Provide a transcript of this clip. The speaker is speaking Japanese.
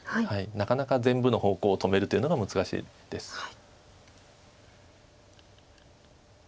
なかなか全部の方向を止めるというのが難しいです。